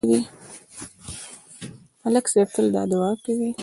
ملک صاحب تل دا دعا کوي